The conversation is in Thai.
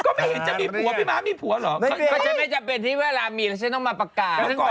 ก็ไม่เห็นจะพี่ม้ามีผัวเหรอจะเป็นที่เวลามีแล้วฉันต้องมาประกาศ